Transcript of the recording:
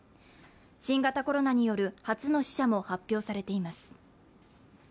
新型コロナによる初の死者も発表されています。